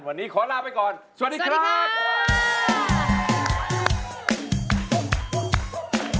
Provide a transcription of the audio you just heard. วันนี้ขอลาไปก่อนสวัสดีครับ